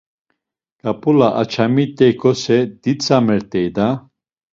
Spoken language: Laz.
Ǩap̌ula ançamiyt̆ekose, dzitsamt̆ey da!